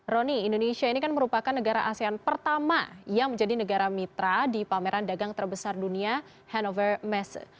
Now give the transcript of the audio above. roni indonesia ini kan merupakan negara asean pertama yang menjadi negara mitra di pameran dagang terbesar dunia hannover messe